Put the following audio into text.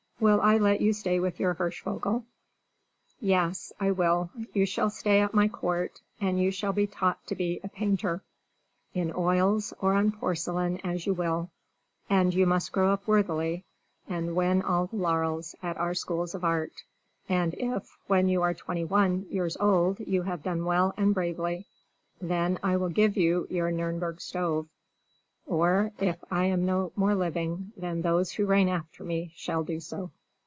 Will I let you stay with your Hirschvogel? Yes, I will, you shall stay at my court, and you shall be taught to be a painter in oils or on porcelain as you will and you must grow up worthily, and win all the laurels at our Schools of Art, and if when you are twenty one years old you have done well and bravely, then I will give you your Nürnberg stove, or, if I am no more living, then those who reign after me shall do so.